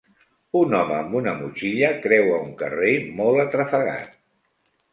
Un home amb una motxilla creua un carrer molt atrafegat.